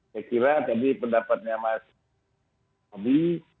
saya kira tadi pendapatnya mas adi